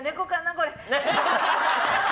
これ。